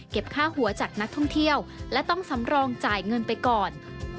ค่าหัวจากนักท่องเที่ยวและต้องสำรองจ่ายเงินไปก่อน